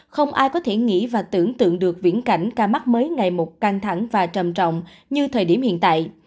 không ai có thể nghĩ và tưởng tượng được viễn cảnh ca mắc mới ngày một căng thẳng và trầm trọng như thời điểm hiện tại